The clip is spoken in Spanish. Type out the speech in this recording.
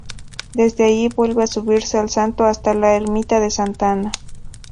Desde allí vuelve a subirse al santo hasta la Ermita de Santa Ana.